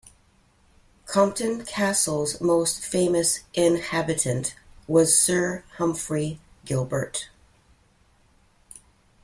Compton Castle's most famous inhabitant was Sir Humphrey Gilbert.